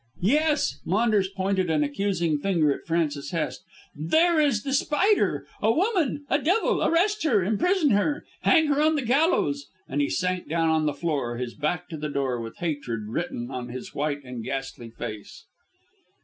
"Yes." Maunders pointed an accusing finger at Frances Hest. "There is The Spider. A woman; a devil! Arrest her; imprison her; hang her on the gallows," and he sank down on the floor, his back to the door, with hatred written on his white and ghastly face.